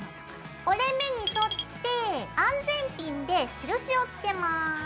折れ目に沿って安全ピンで印をつけます。